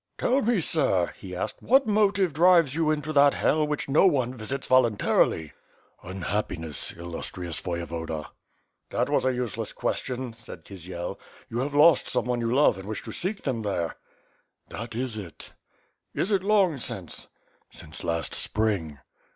"Tell me. Sir/* he asked, "what motive drives you into that hell which no one visits voluntarily?" "Unhappiness, illustrious Voyevoda." "That was a useless question," said Kisiel. 'TTou have lost someone you love and wish to seek them there?" "That is it." "Is it long since?" "Since last spring."